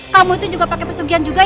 kamu tuh juga pakai pesugihan juga ya